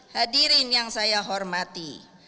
hadirin yang saya hormati